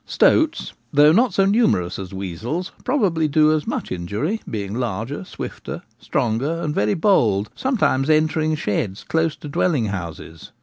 Stoats, though not so numerous as weasels, proba bly do quite as much injury, being larger, swifter, stronger, and very bold, sometimes entering sheds close to dwelling houses.